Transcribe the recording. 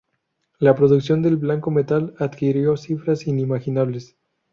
La producción del blanco metal adquirió cifras inimaginables.